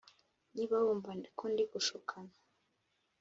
Niba wumva ko ndi gushukana